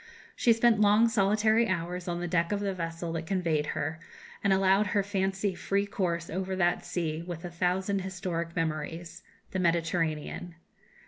She spent long, solitary hours on the deck of the vessel that conveyed her, and allowed her fancy free course over that sea with a thousand historic memories the Mediterranean.